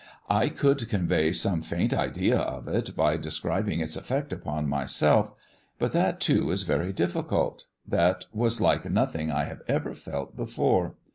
I could convey some faint idea of it by describing its effect upon myself, but that, too, is very difficult that was like nothing I have ever felt before.